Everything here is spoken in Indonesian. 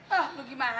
hah lu gimana sih